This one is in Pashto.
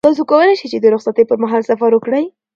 تاسو کولای شئ چې د رخصتۍ پر مهال سفر وکړئ.